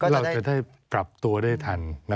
เราจะได้ปรับตัวได้ทัน